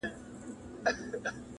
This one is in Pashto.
سړی راوستی عسکرو و قاضي ته,